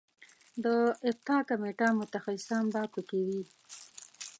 د افتا کمیټه متخصصان به په کې وي.